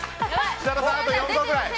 設楽さん、あと４個ぐらい。